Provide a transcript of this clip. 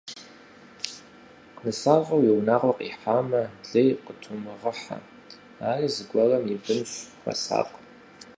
Нысащӏэ уи унагъуэм къихьамэ, лей къытумыгъыхьэ, ари зыгуэрым и бынщ, хуэсакъ.